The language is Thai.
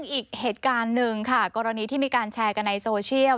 อีกเหตุการณ์หนึ่งค่ะกรณีที่มีการแชร์กันในโซเชียล